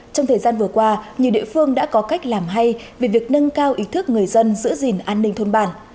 trong thời gian vừa qua nhiều địa phương đã có cách làm hay về việc nâng cao ý thức người dân giữ gìn an ninh thôn bản